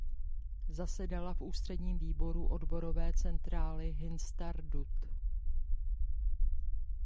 Zasedala v ústředním výboru odborové centrály Histadrut.